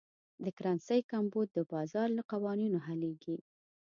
د کرنسۍ کمبود د بازار له قوانینو حلېږي.